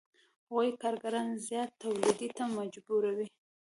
هغوی کارګران زیات تولید ته مجبوروي